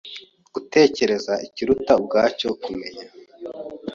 gutekereza Ikiruta ubwacyo kumenya